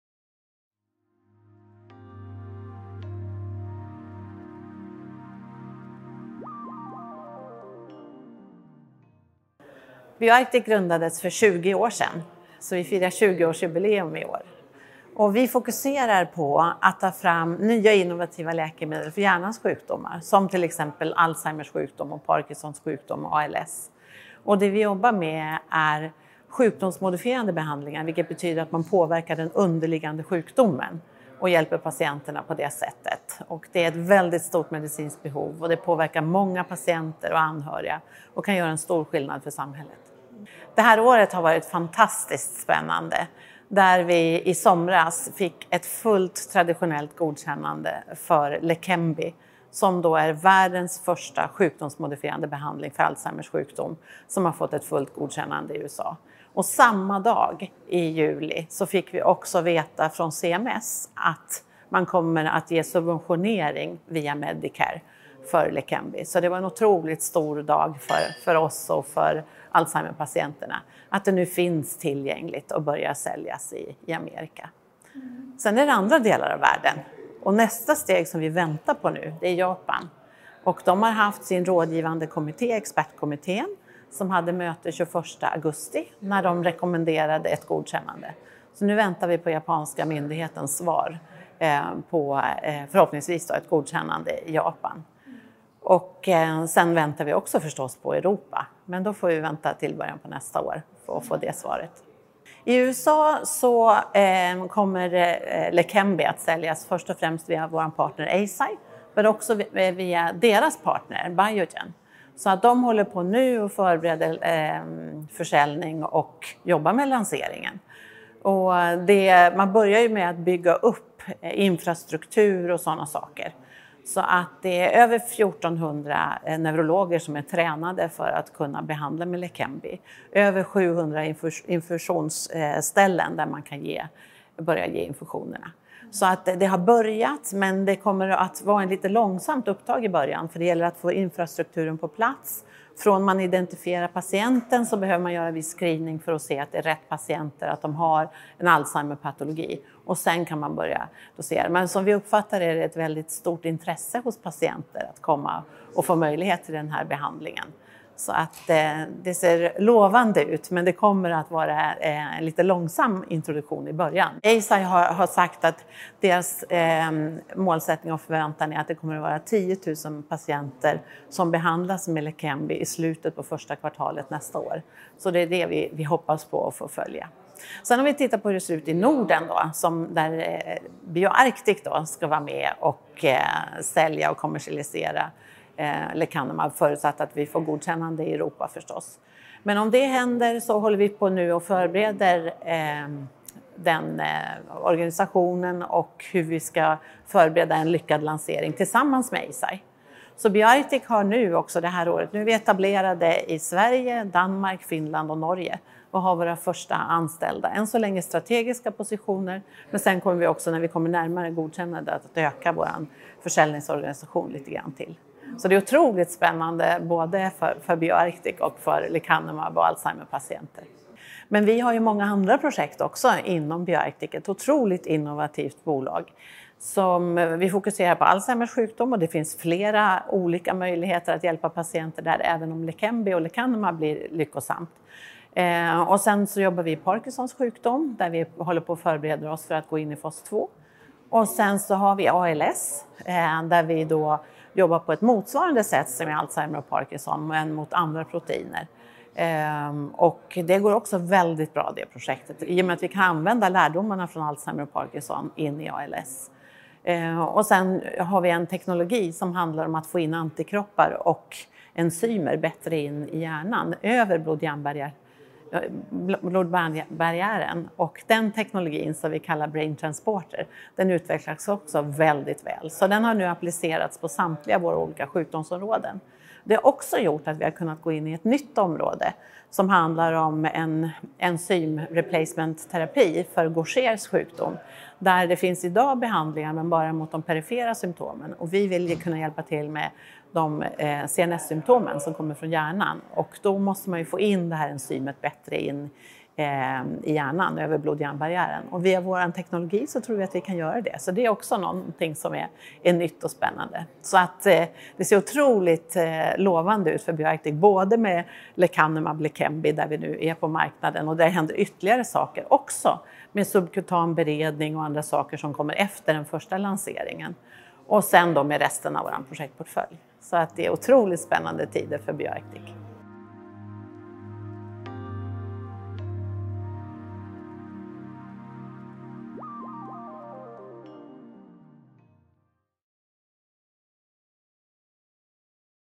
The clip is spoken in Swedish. BioArctic grundades för tjugo år sedan, så vi firar tjugo års jubileum i år. Vi fokuserar på att ta fram nya innovativa läkemedel för hjärnans sjukdomar, som till exempel Alzheimers sjukdom och Parkinsons sjukdom och ALS. Det vi jobbar med är sjukdomsmodifierande behandlingar, vilket betyder att man påverkar den underliggande sjukdomen och hjälper patienterna på det sättet. Det är ett väldigt stort medicinskt behov och det påverkar många patienter och anhöriga och kan göra en stor skillnad för samhället. Det här året har varit fantastiskt spännande, där vi i somras fick ett fullt traditionellt godkännande för Leqembi, som då är världens första sjukdomsmodifierande behandling för Alzheimers sjukdom, som har fått ett fullt godkännande i USA. Samma dag i juli så fick vi också veta från CMS att man kommer att ge subventionering via Medicare för Leqembi. Det var en otroligt stor dag för oss och för Alzheimer patienterna, att det nu finns tillgängligt och börjar säljas i Amerika. Sen är det andra delar av världen och nästa steg som vi väntar på nu, det är Japan. De har haft sin rådgivande kommitté, expertkommittén, som hade möte tjugoförsta augusti när de rekommenderade ett godkännande. Nu väntar vi på japanska myndighetens svar på, förhoppningsvis då, ett godkännande i Japan. Sen väntar vi också förstås på Europa, men då får vi vänta till början på nästa år för att få det svaret. I USA kommer Leqembi att säljas först och främst via vår partner Eisai, men också via deras partner Biogen. De håller på nu och förbereder försäljning och jobbar med lanseringen. Man börjar ju med att bygga upp infrastruktur och sådana saker. Så att det är över 1400 neurologer som är tränade för att kunna behandla med Leqembi. Över 700 infusionsställen där man kan ge, börja ge infusionerna. Det har börjat, men det kommer att vara en lite långsamt upptag i början, för det gäller att få infrastrukturen på plats. Från man identifierar patienten så behöver man göra en viss screening för att se att det är rätt patienter, att de har en Alzheimerpatologi och sedan kan man börja dosera. Men som vi uppfattar det är det ett väldigt stort intresse hos patienter att komma och få möjlighet till den här behandlingen. Det ser lovande ut, men det kommer att vara en lite långsam introduktion i början. Eisai har sagt att deras målsättning och förväntan är att det kommer att vara 10,000 patienter som behandlas med Leqembi i slutet på första kvartalet nästa år. Det är det vi hoppas på att få följa. Om vi tittar på hur det ser ut i Norden då, som där BioArctic ska vara med och sälja och kommersialisera Lecanemab, förutsatt att vi får godkännande i Europa förstås. Men om det händer håller vi på nu och förbereder den organisationen och hur vi ska förbereda en lyckad lansering tillsammans med Eisai. BioArctic har nu också det här året, nu är vi etablerade i Sverige, Danmark, Finland och Norge och har våra första anställda. Än så länge strategiska positioner, men sen kommer vi också när vi kommer närmare godkännande att öka vår försäljningsorganisation lite grann till. Det är otroligt spännande, både för BioArctic och för Lecanemab och Alzheimerpatienter. Men vi har ju många andra projekt också inom BioArctic, ett otroligt innovativt bolag. Vi fokuserar på Alzheimers sjukdom och det finns flera olika möjligheter att hjälpa patienter där, även om Leqembi och Lecanemab blir lyckosamt. Sen jobbar vi i Parkinsons sjukdom, där vi håller på att förbereda oss för att gå in i fas två. Sen har vi ALS, där vi jobbar på ett motsvarande sätt som i Alzheimer och Parkinson, men mot andra proteiner. Det går också väldigt bra det projektet. I och med att vi kan använda lärdomarna från Alzheimer och Parkinson in i ALS. Sen har vi en teknologi som handlar om att få in antikroppar och enzymer bättre in i hjärnan, över blodhjärnbarriären. Den teknologin som vi kallar Brain Transporter, den utvecklas också väldigt väl. Den har nu applicerats på samtliga våra olika sjukdomsområden. Det har också gjort att vi har kunnat gå in i ett nytt område som handlar om en enzym replacement terapi för Gauchers sjukdom, där det finns idag behandlingar men bara mot de perifera symtomen. Vi vill kunna hjälpa till med de CNS-symtomen som kommer från hjärnan och då måste man ju få in det här enzymet bättre in i hjärnan, över blodhjärnbarriären. Via vår teknologi så tror vi att vi kan göra det. Det är också någonting som är nytt och spännande. Det ser otroligt lovande ut för BioArctic, både med Lecanemab, Leqembi, där vi nu är på marknaden och det händer ytterligare saker också med subkutan beredning och andra saker som kommer efter den första lanseringen och sedan då med resten av vår projektportfölj. Det är otroligt spännande tider för BioArctic.